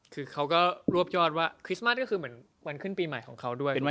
คือเขาก็รวบยอดว่าคริสต์มาสก็คือเหมือนวันขึ้นปีใหม่ของเขาด้วย